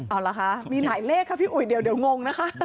เอาล่ะค่ะมีหลายเลขครับพี่อุ๊ยเดี๋ยวงงนะคะ